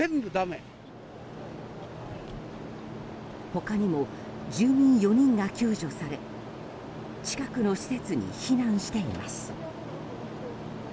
他にも住民４人が救助され近くの施設に避難しています。